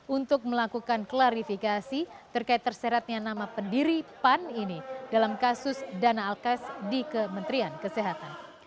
untuk melakukan klarifikasi terkait terseratnya nama pendiri pan ini dalam kasus dana alkas di kementerian kesehatan